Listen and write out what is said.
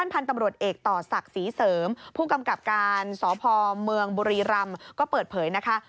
เป็นสอพอมเมืองบุรีรำก็เปิดเผยนะคะ